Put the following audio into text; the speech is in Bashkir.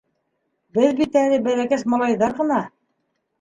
— Беҙ бит әле бәләкәс малайҙар ғына.